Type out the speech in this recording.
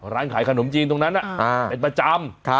ร้านขายขนมจีนตรงนั้นอ่ะอ่าเป็นประจำครับ